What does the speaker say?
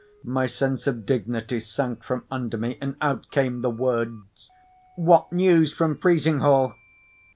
My sense of dignity sank from under me, and out came the words: "What news from Frizinghall?"